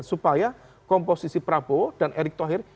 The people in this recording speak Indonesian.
supaya komposisi prabowo dan erick thohir